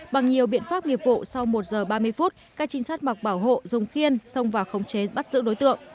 bằng nhiều biện pháp nghiệp vụ sau một giờ ba mươi phút các trinh sát mặc bảo hộ dùng khiên xông vào khống chế bắt giữ đối tượng